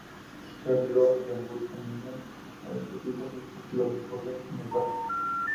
Charlot y Ambrose comienzan a discutir con sus respectivas esposas en el parque.